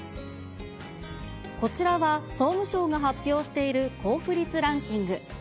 こちらは総務省が発表している交付率ランキング。